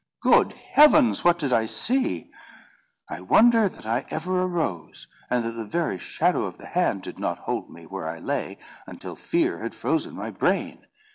Good heavens! what did I see? I wonder that ever I arose, and that the very shadow of the hand did not hold me where I lay until fear had frozen my brain.